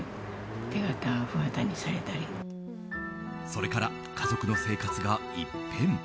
それから、家族の生活が一変。